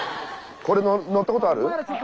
これ乗ったことある？